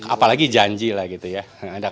apalagi janji lah gitu ya